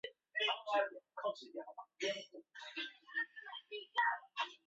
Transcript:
本列表统计的是美国职棒大联盟的各球队的队史纪录。